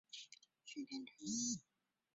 车底两台转向架之间设有燃油箱和蓄电池箱。